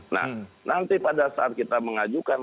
nah nanti pada saat kita mengajukan